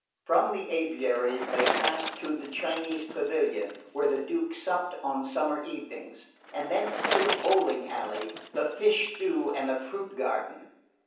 From the aviaries they passed to the Chinese pavilion, where the Duke supped on summer evenings, and thence to the bowling alley, the fish stew and the fruit garden.